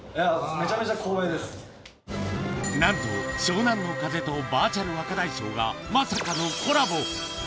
めちゃめちゃ光栄なんと、湘南乃風とバーチャル若大将がまさかのコラボ。